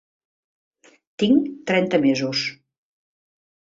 Tinc trenta mesos.